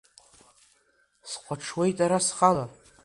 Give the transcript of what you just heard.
Схәаҽуеит ара схала…